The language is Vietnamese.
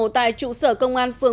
tại trụ sở công an phương